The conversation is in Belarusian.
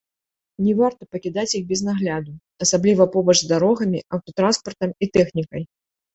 Не варта пакідаць іх без нагляду, асабліва побач з дарогамі, аўтатранспартам і тэхнікай.